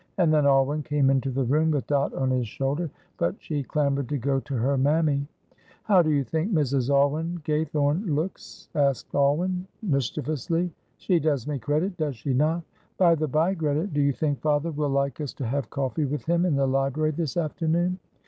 And then Alwyn came into the room with Dot on his shoulder, but she clamoured to go to her mammy. "How do you think Mrs. Alwyn Gaythorne looks?" asked Alwyn, mischievously. "She does me credit, does she not? By the bye, Greta, do you think father will like us to have coffee with him in the library this afternoon?"